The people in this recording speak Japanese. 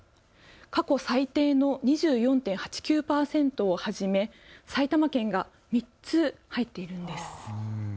過去最低の２４．８９％をはじめ埼玉県が３つ入っているんです。